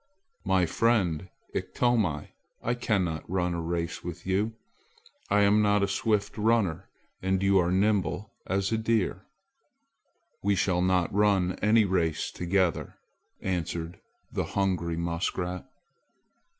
"My friend Ikto, I cannot run a race with you! I am not a swift runner, and you are nimble as a deer. We shall not run any race together," answered the hungry muskrat.